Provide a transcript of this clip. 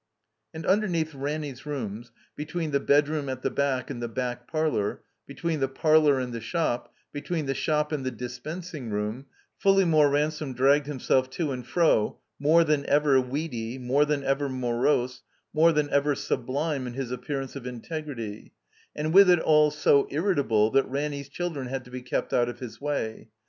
And underneath Ranny's rooms, between the bed room at the back and the back i>arlor, between the parlor and the shop, between the shop and the dis pensing room, Fulleymore Ransome dragged him self to and fro, more than ever weedy, more than ever morose, more than ever sublime in his appear ance of integrity; and with it all so irritable that Ranny's children had to be kept out of his way.